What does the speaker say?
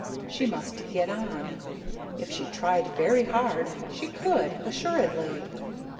She must get on. If she tried very hard, she could, assuredly.